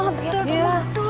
shhh ada paknya